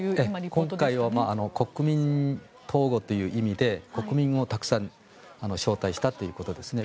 今回は国民公募という意味で国民をたくさん招待したということですね。